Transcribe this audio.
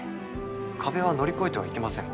壁は乗り越えてはいけません。